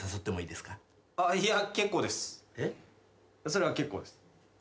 それは結構です。